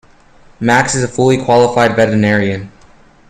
Max is a fully qualified veterinarian.